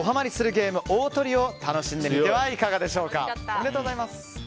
ゲームオートリオを楽しんでみてはいかがでしょうか。